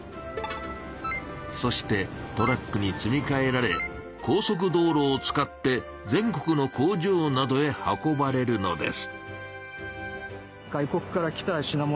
そしてトラックに積みかえられ高速道路を使って全国の工場などへ運ばれるのです。